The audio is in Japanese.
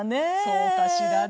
そうかしらね。